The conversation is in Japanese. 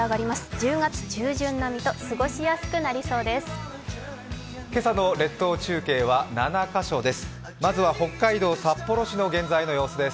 １０月中旬並みと過ごしやすくなりそうです。